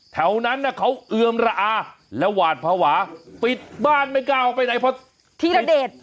แถวนั้นเขาเอือมระอาแล้วหวานภาวะปิดบ้านไม่กล้าออกไปไหน